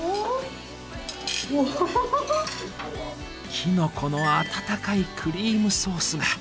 きのこの温かいクリームソースが。